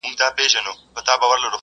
موږ به تر کله د لمبو له څنګه شپې تېروو